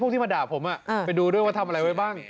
ที่มาด่าผมไปดูด้วยว่าทำอะไรไว้บ้าง